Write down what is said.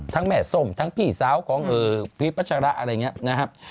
ทั้งแม่ซ่อมทั้งพี่ซ้าวของพีทพระชะละอะไรอย่างนี้นะครับ